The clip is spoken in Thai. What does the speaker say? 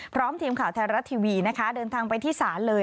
ทีมข่าวไทยรัฐทีวีนะคะเดินทางไปที่ศาลเลย